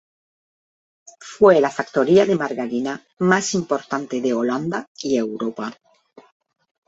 Fue la factoría de margarina más importante de Holanda y Europa.